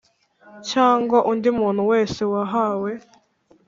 Cyangwa undi muntu wese wahawe